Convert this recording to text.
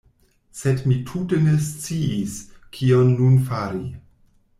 Sed mi tute ne sciis, kion nun fari.